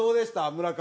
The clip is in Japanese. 村上。